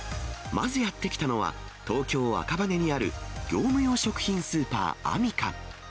まずやって来たのは、東京・赤羽にある業務用食品スーパー、アミカ。